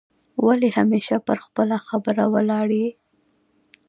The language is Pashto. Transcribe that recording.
ولي همېشه پر خپله خبره ولاړ یې؟